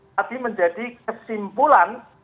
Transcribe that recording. tadi menjadi kesimpulan